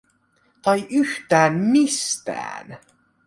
Tai yhtään mistään?